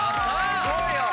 すごいよ！